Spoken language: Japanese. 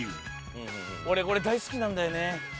俺これ大好きなんだよね。